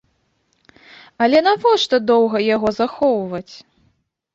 Але навошта доўга яго захоўваць?